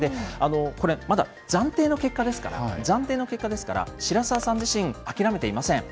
これ、まだ暫定の結果ですから、暫定の結果ですから、白澤さん自身、諦めていません。